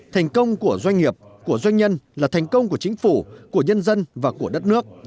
thành công của doanh nghiệp của doanh nhân là thành công của chính phủ của nhân dân và của đất nước